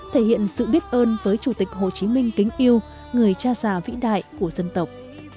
thể hiện sự biết ơn với chủ tịch hồ chí minh kính yêu người cha già vĩ đại của dân tộc